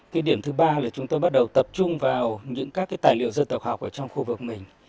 cái điểm thứ ba là chúng tôi bắt đầu tập trung vào những các cái tài liệu dân tộc học ở trong khu vực mình